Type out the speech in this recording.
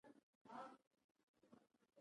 پانګوال باید یو بل ډول ځانګړی توکی هم وپېري